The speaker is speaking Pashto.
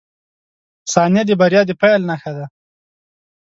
• ثانیه د بریا د پیل نښه ده.